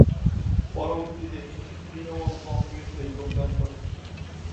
পরবর্তীতে, তিনি তৃণমূল কংগ্রেসে যোগদান করেন।